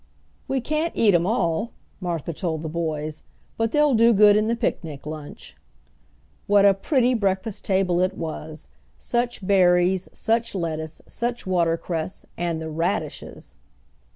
"We can't eat 'em all," Martha told the boys, "But they'll go good in the picnic lunch." What a pretty breakfast table it was! Such berries, such lettuce, such water cress, and the radishes!